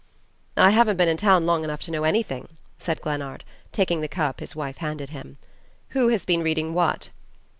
"I haven't been in town long enough to know anything," said Glennard, taking the cup his wife handed him. "Who has been reading what?"